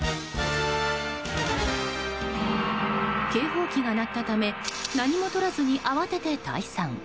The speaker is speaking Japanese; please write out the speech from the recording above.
警報機が鳴ったため何もとらずに慌てて退散。